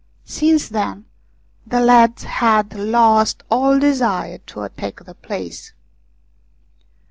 Since then the lads had lost all desire to attack the place.